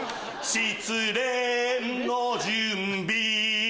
失恋の準備